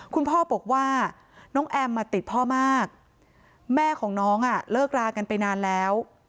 คุณพ่อบอกว่าน้องแอมมาติดพ่อมากแม่ของน้องเลิกรากันไปนานแล้ว